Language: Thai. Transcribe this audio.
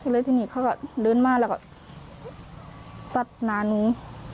เลยที่นี่เขาก็เดินมาแล้วก็สัตว์นานู